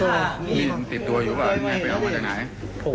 มีติดตัวอยู่หรือเปล่าไปเอามาจากไหน